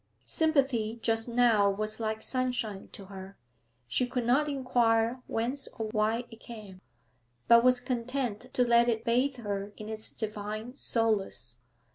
Sympathy just now was like sunshine to her; she could not inquire whence or why it came, but was content to let it bathe her in its divine solace.